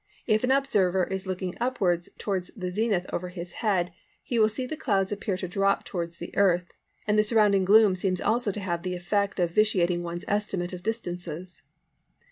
If an observer is looking upwards towards the zenith over his head, he will see the clouds appear to drop towards the Earth, and the surrounding gloom seems also to have the effect of vitiating one's estimate of distances.